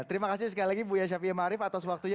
terima kasih sekali lagi buya syafiee ma'arif atas waktunya